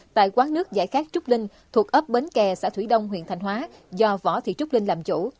tại quán nước giải khát trúc linh thuộc ấp bến kè xã thủy đông huyện thành hóa do võ thị trúc linh làm chủ